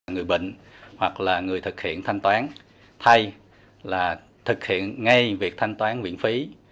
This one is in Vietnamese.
người bệnh hoặc là người thực hiện thanh toán thay là thực hiện ngay việc thanh toán viện phí